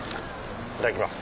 いただきます